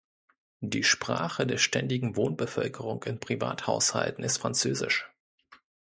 Die "Sprache" der ständigen Wohnbevölkerung in Privathaushalten ist Französisch.